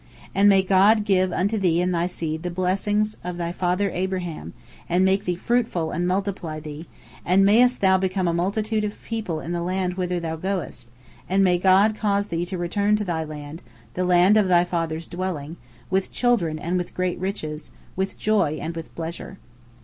And may God give unto thee and thy seed the blessing of thy father Abraham and make thee fruitful and multiply thee, and mayest thou become a multitude of people in the land whither thou goest, and may God cause thee to return to thy land, the land of thy father's dwelling, with children and with great riches, with joy and with pleasure."